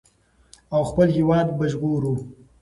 او خپل هېواد به وژغورو.